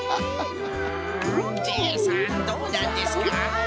んジェイさんどうなんですか？